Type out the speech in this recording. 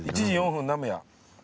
１時４分なむや。